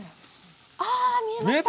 あ見えました！